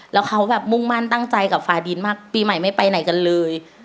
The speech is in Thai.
แล้วเขาแบบมุ่งมั่นตั้งใจกับฟาดินมากปีใหม่ไม่ไปไหนกันเลย